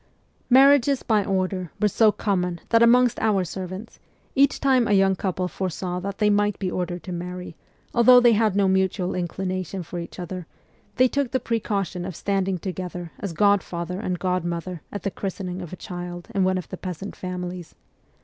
Marriages by order were so common that amongst our servants, each time a young couple foresaw that they might be ordered to marry, although they had no mutual inclination for each other, they took the pre caution of standing together as godfather and god mother at the christening of a child in one of the peasant families.